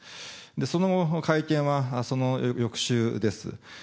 その会見はその翌週です。